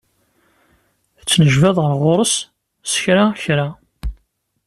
Tettnejbad ɣer ɣur-s s kra kra.